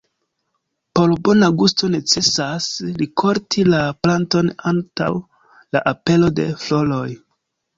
Por bona gusto necesas rikolti la planton antaŭ la apero de floroj.